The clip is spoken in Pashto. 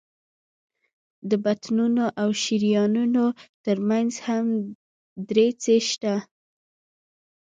د بطنونو او شریانونو تر منځ هم دریڅې شته.